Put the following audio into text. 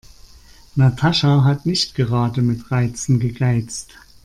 Natascha hat nicht gerade mit Reizen gegeizt.